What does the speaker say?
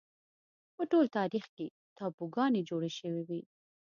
په ټول تاریخ کې تابوگانې جوړې شوې دي